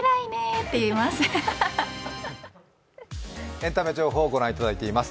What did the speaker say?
エンタメ情報をご覧いただいています。